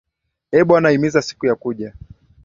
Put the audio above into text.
Ee Bwana himiza siku ya kuja